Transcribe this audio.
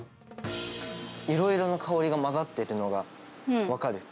いろいろな香りが混ざってるのが分かる。